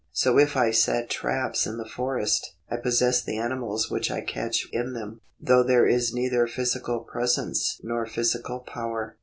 So if I set traps in the forest, I possess the animals which I catch in them, though there is neither physical pre sence nor physical power.